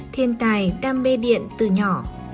thiên tài đam mê điện từ nhỏ